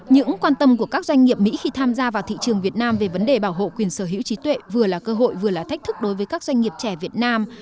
những quan tâm của các doanh nghiệp mỹ khi tham gia vào thị trường việt nam về vấn đề bảo hộ quyền sở hữu trí tuệ vừa là cơ hội vừa là thách thức đối với các doanh nghiệp trẻ việt nam